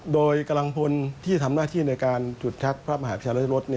โดยกำลังพลที่ทำหน้าที่ในการฉุดชักพระมหาวิชัยราชรส